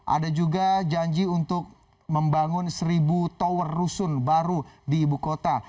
ada juga janji untuk membangun seribu tower rusun baru di ibu kota